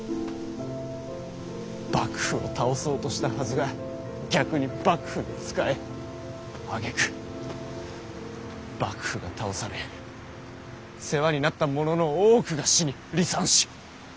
幕府を倒そうとしたはずが逆に幕府に仕えあげく幕府が倒され世話になった者の多くが死に離散し